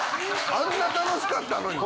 あんな楽しかったのに。